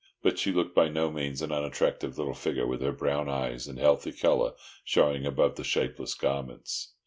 But she looked by no means an unattractive little figure, with her brown eyes and healthy colour showing above the shapeless garments.